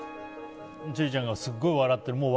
千里ちゃんがすごい笑っている。